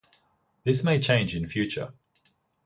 This may change in future